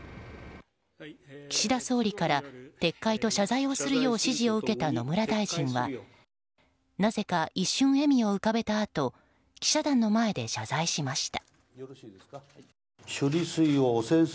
岸田総理から撤回と謝罪をするよう指示を受けた野村大臣はなぜか一瞬、笑みを浮かべたあと記者団の前で謝罪しました。